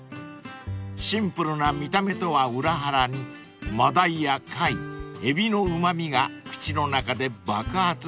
［シンプルな見た目とは裏腹にマダイや貝エビのうま味が口の中で爆発します］